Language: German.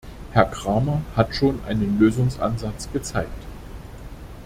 Herr Cramer hat schon einen Lösungsansatz gezeigt.